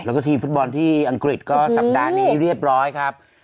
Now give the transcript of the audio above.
แล้วก็ทีมฟุตบอลที่อังกฤษก็สัปดาห์นี้เรียบร้อยครับ